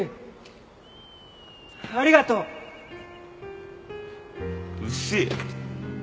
ありがとう！うっせえよ。